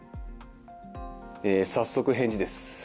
早速、返事です。